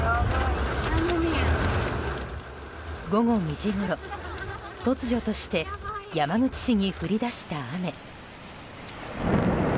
午後２時ごろ、突如として山口市に降り出した雨。